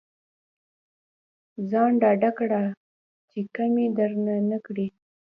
ځان ډاډه کړه چې کمې درنه نه کړي.